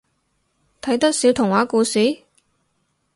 睇得少童話故事？